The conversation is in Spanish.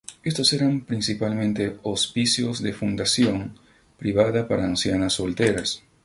Estos eran principalmente hospicios de fundación privada para ancianas solteras.